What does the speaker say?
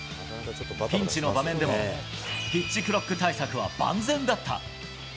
ピンチの場面でも、ピッチクロック対策は万全だった。